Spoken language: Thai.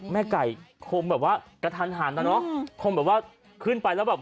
แม่ไก่คงแบบว่ากระทันหันนะเนอะคงแบบว่าขึ้นไปแล้วแบบ